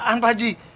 apaan pak haji